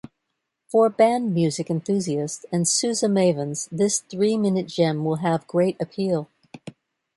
For band music enthusiasts and Sousa mavens, this three-minute gem will have great appeal.